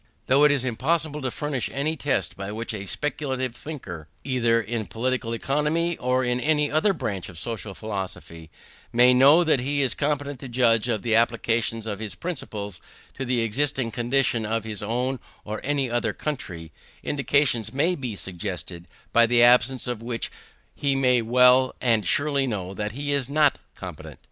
Though it is impossible to furnish any test by which a speculative thinker, either in Political Economy or in any other branch of social philosophy, may know that he is competent to judge of the application of his principles to the existing condition of his own or any other country, indications may be suggested by the absence of which he may well and surely know that he is not competent.